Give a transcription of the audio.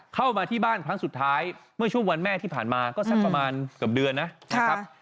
เข้ามาที่บ้านครั้งสุดท้ายเมื่อช่วงวันแม่ที่ผ่านมาก็สักประมาณเกือบเดือนนะครับ